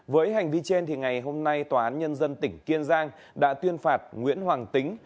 với hành vi trên ngày hôm nay tòa án nhân dân tỉnh kiên giang đã tuyên phạt nguyễn hoàng tính